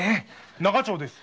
仲町です。